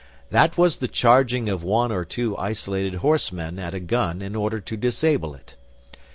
That was the charging of one or two isolated horse men at a gun in order to disable it.